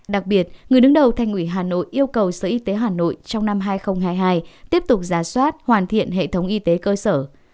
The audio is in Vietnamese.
đặc biệt người đứng đầu thành quỷ hà nội yêu cầu sở y tế hà nội trong năm hai nghìn hai mươi hai tiếp tục giả soát hoàn thiện hệ thống y tế cơ sở